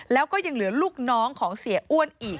แล้วก็ยังเหลือลูกน้องของเสียอ้วนอีก